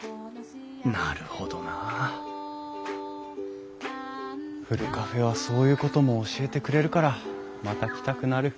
なるほどなあふるカフェはそういうことも教えてくれるからまた来たくなる。